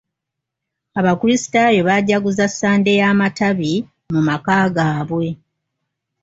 Abakrisitaayo baajaguza Sande y'amatabi mu maka gaabwe.